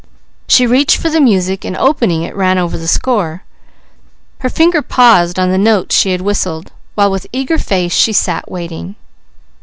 She reached for the music and opening it ran over the score. Her finger paused on the notes she had whistled, while with eager face she sat waiting.